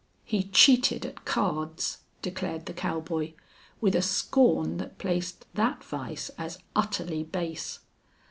"He cheated at cards," declared the cowboy, with a scorn that placed that vice as utterly base.